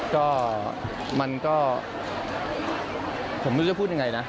ก็มันก็ผมไม่รู้จะพูดยังไงนะ